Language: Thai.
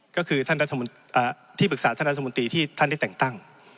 ก็คือท่านที่ปรึกษาท่านรัฐมนตรีที่ท่านได้แต่งตั้ง